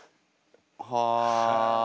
はあ。